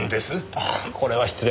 ああこれは失礼。